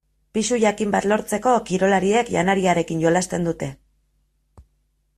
Pisu jakin bat lortzeko kirolariek janariarekin jolasten dute.